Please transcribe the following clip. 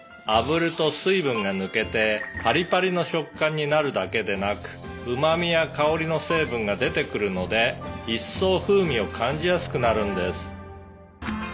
「あぶると水分が抜けてパリパリの食感になるだけでなくうま味や香りの成分が出てくるので一層風味を感じやすくなるんです」